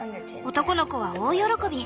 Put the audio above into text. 男の子は大喜び。